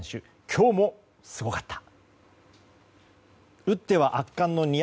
今日もすごかった。